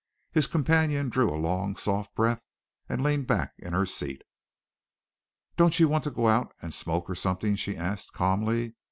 His companion drew a long, soft breath, and leaned back in her seat. "Don't you want to go out and smoke or something?" she asked calmly.